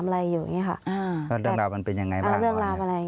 เรื่องราวมันเป็นยังไงบ้าง